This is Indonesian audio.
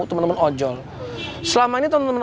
teman teman ojol selama ini teman teman